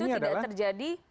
dan itu tidak terjadi